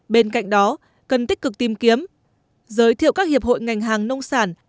bên cạnh đó cần tích cực tìm kiếm giới thiệu các hiệp hội ngành hàng nông sản